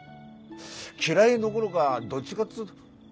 嫌いどころかどっちかっつうと。